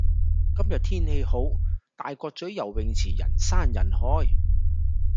今日天氣好，大角咀游泳池人山人海。